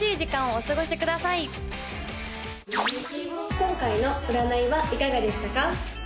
今回の占いはいかがでしたか？